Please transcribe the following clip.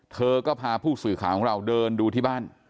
เธอก็พาผู้สื่อข่าวของเราเดินดูที่บ้าน